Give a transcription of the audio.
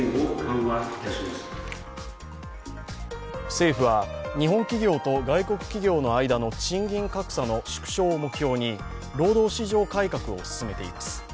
政府は日本企業と外国企業の間の賃金格差の縮小を目標に労働市場改革を進めています。